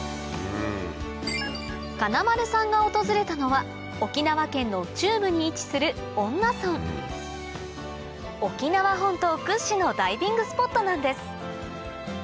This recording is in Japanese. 金丸さんが訪れたのは沖縄県の中部に位置する恩納村沖縄本島屈指のダイビングスポットなんです